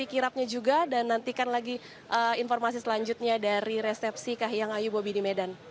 kirapnya juga dan nantikan lagi informasi selanjutnya dari resepsi kahiyang ayu bobi di medan